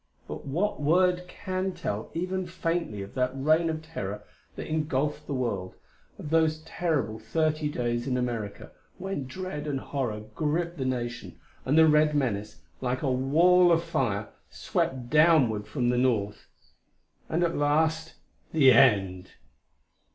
but what word can tell even faintly of that reign of terror that engulfed the world, of those terrible thirty days in America when dread and horror gripped the nation and the red menace, like a wall of fire, swept downward from the north? And, at last the end!